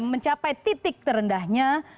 mencapai titik terendahnya